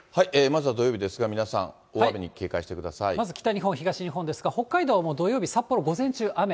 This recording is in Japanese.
まずは土曜日ですが、皆さん、まず北日本、東日本ですが、北海道はもう土曜日、札幌、午前中雨。